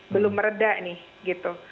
belum meredak nih gitu